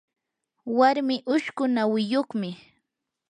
warmii ushqu nawiyuqmi.